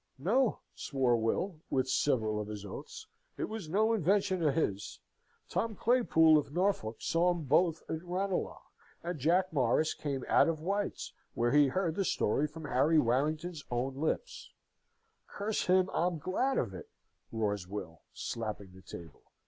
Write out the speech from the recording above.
"No," swore Will, with several of his oaths; "it was no invention of his. Tom Claypool of Norfolk saw 'em both at Ranelagh; and Jack Morris came out of White's, where he heard the story from Harry Warrington's own lips. Curse him, I'm glad of it!" roars Will, slapping the table.